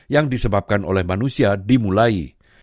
yang disebabkan oleh manusia dimulai